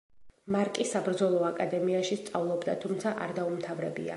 მარკი საბრძოლო აკადემიაში სწავლობდა, თუმცა არ დაუმთავრებია.